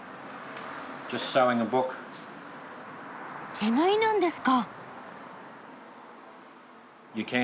手縫いなんですか。